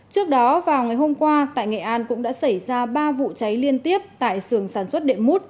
trước đó vào ngày hôm qua tại nghệ an cũng đã xảy ra ba vụ cháy liên tiếp tại xưởng sản xuất đệm mút